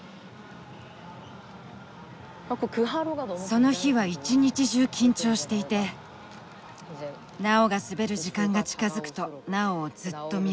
その日は一日中緊張していてナオが滑る時間が近づくとナオをずっと見守っていた。